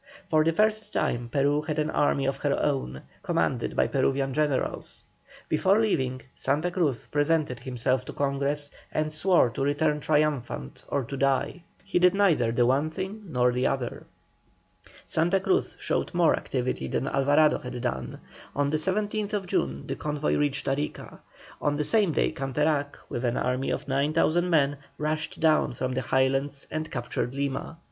For the first time Peru had an army of her own, commanded by Peruvian generals. Before leaving, Santa Cruz presented himself to Congress and swore to return triumphant or to die. He did neither the one thing nor the other. Santa Cruz showed more activity than Alvarado had done. On the 17th June the convoy reached Arica. On that same day Canterac, with an army of 9,000 men, rushed down from the Highlands and captured Lima.